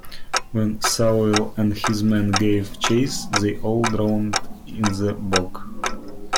When Sawyl and his men gave chase, they all drowned in the bog.